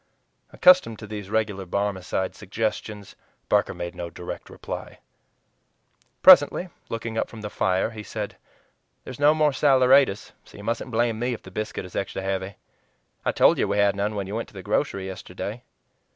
Accustomed to these regular Barmecide suggestions, Barker made no direct reply. Presently, looking up from the fire, he said, "There's no more saleratus, so you mustn't blame me if the biscuit is extra heavy. I told you we had none when you went to the grocery yesterday."